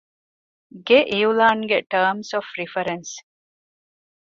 ގެ އިޢުލާންގެ ޓާމްސް އޮފް ރިފަރެންސް